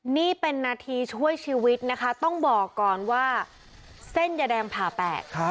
นี่เป็นนาทีช่วยชีวิตนะคะต้องบอกก่อนว่าเส้นยาแดงผ่าแปด